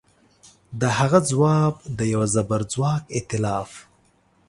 د هغه ځواب د یوه زبرځواک ایتلاف